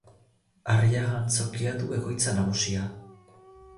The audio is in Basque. Arriaga Antzokia du egoitza nagusia.